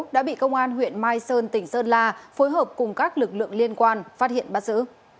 đã bị công an huyện mai sơn tỉnh sơn la phối hợp cùng các lực lượng liên quan phát hiện bắt giữ